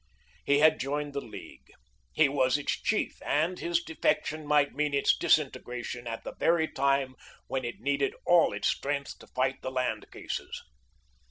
He had joined the League. He was its chief, and his defection might mean its disintegration at the very time when it needed all its strength to fight the land cases.